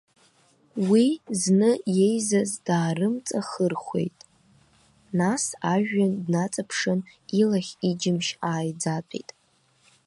Уи зны иеизаз даарымҵахырхәеит, нас ажәҩан днаҵаԥшын, илахь-иџьымшь ааиӡатәит.